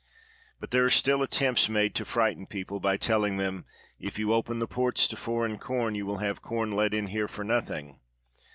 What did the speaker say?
But there are still attempts made to frighten people by telling them: "If you open the ports to foreign corn, you will have corn let in here for nothing."